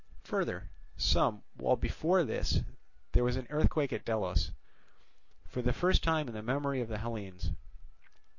Further, some while before this, there was an earthquake at Delos, for the first time in the memory of the Hellenes.